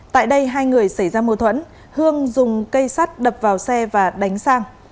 tại đây hai người xảy ra mô thuẫn hương dùng cây sắt đập vào xe và đánh sang